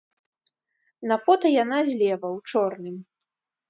На фота яна злева, у чорным.